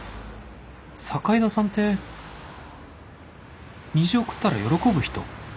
坂井戸さんって虹送ったら喜ぶ人？